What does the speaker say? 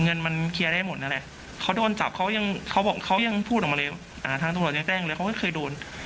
เงินมันเครียสได้หมดนั่นแหละเขาโดนจับเขาหยังพูดออกมาเลยทางบริษัทงานหนังแจ้งเลยก็เคยโดน